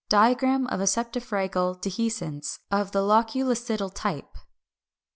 Diagram of septifragal dehiscence of the loculicidal type.